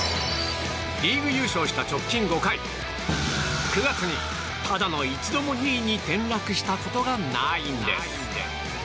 リーグ優勝した直近５回９月にただの一度も、２位に転落したことがないんです。